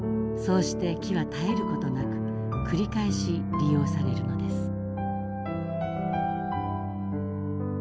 そうして木は絶えることなく繰り返し利用されるのです。